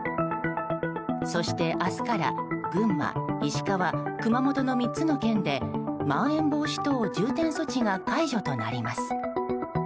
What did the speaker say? そして明日から群馬、石川、熊本の３つの県でまん延防止等重点措置が解除となります。